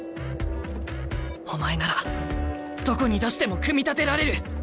お前ならどこに出しても組み立てられる！